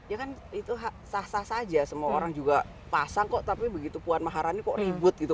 ya kan itu sah sah saja semua orang juga pasang kok tapi begitu puan maharani kok ribut gitu